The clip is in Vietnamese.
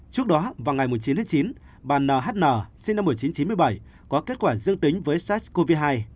trước đó vào ngày chín tháng chín bà n h n sinh năm một nghìn chín trăm chín mươi bảy có kết quả dương tính với sars cov hai